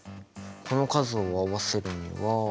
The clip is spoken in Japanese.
この数を合わせるには。